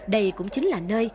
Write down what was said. đây cũng chính là nơi